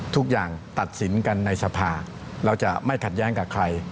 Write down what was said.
ตัดสินกันในสภาเราจะไม่ขัดแย้งกับใคร